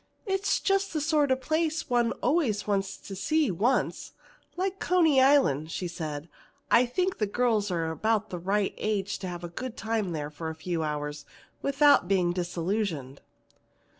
"It is the sort of a place one always wants to see once, like Coney Island," she said, "and I think the girls are about the right age to have a good time there for a few hours without being disillusioned."